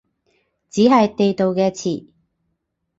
只係地道嘅詞